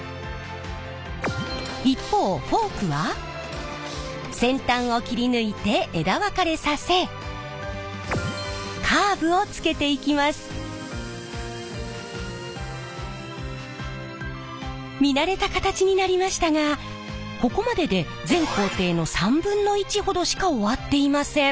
一方フォークは先端を切り抜いて見慣れた形になりましたがここまでで全工程の３分の１ほどしか終わっていません。